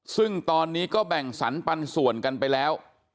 ซึ่งตอนนี้ก็แบ่งสรรปันส่วนกันไปแล้ว